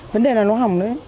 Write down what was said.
vấn đề là nó hỏng đấy